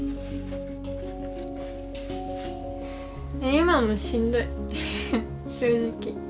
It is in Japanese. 今もしんどい正直。